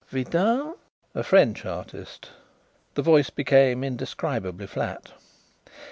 '" "Vidal?" "A French artist." The voice became indescribably flat.